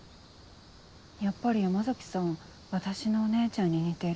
やっぱり山崎さん私のお姉ちゃんに似てる。